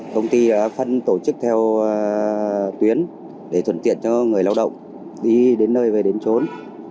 công ty đã phân tổ chức theo tuyến để thuận tiện cho người lao động đi đến nơi về đến trốn